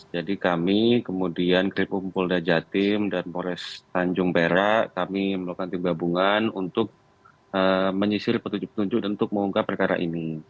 jadi kami kemudian krip umpul dajah tim dan forest tanjung perak kami melakukan tim gabungan untuk menyisir petunjuk petunjuk dan untuk mengungkap perkara ini